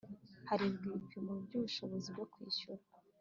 harebwa ibipimo by'ubushobozi bwo kwishyura